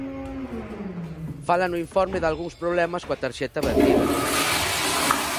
Fala no informe dalgúns problemas coa tarxeta Benvida.